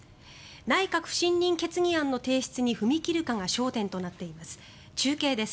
内閣不信任決議案の提出に踏み切るかが焦点となっています。